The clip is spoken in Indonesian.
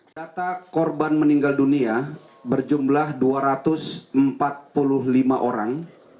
data korban meninggal dunia berjumlah dua ratus empat puluh lima orang